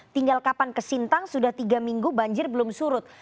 tinggal kapan ke sintang sudah tiga minggu banjir belum surut